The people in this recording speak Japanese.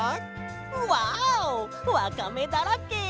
「ワオわかめだらけ」。